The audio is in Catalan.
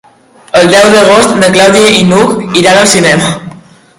El deu d'agost na Clàudia i n'Hug iran al cinema.